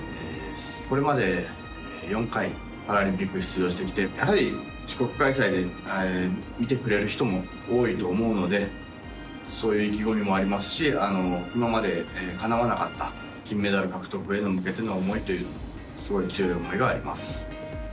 これまで、４回パラリンピック出場してきてやはり自国開催で見てくれる人も多いと思うのでそういう意気込みもありますし今まで、かなわなかった金メダル獲得に向けての思いというすごい強い思いがあります。